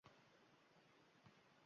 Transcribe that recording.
dedi Maksuel